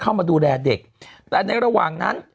เข้ามาดูแลเด็กแต่ในระหว่างนั้น